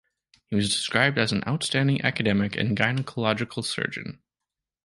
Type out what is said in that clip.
He was described as an outstanding academic and gynaecological surgeon.